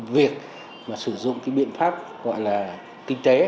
việc mà sử dụng cái biện pháp gọi là kinh tế